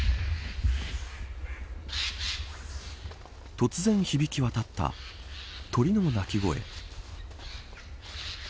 突然響き渡った鳥の鳴き声。